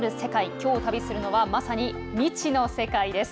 きょう、旅するのはまさに未知の世界です。